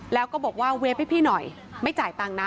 แล้วก็บอกว่าเวฟให้พี่หน่อยไม่จ่ายตังค์นะ